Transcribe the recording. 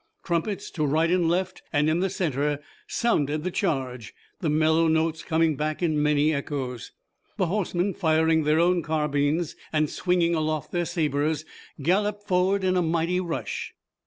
Trumpets to right and left and in the center sounded the charge, the mellow notes coming back in many echoes. The horsemen firing their own carbines and swinging aloft their sabers, galloped forward in a mighty rush.